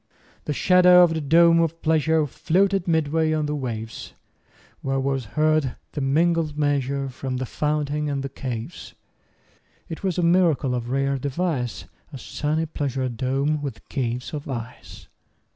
30 The shadow of the dome of pleasure Floated midway on the waves; Where was heard the mingled measure From the fountain and the caves. It was a miracle of rare device, 35 A sunny pleasure dome with caves of ice!